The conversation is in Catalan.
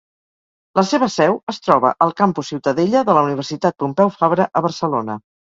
La seva seu es troba al Campus Ciutadella de la Universitat Pompeu Fabra, a Barcelona.